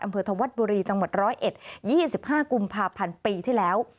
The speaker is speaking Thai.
อำเภอธวัดบุรีจังหวัดร้อยเอ็ด๒๕กุมภาพันธ์ปีที่แล้ว